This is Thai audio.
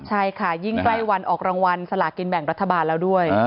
ใช่ค่ะยิ่งใกล้วันออกรางวัลสลากินแบ่งรัฐบาลแล้วด้วย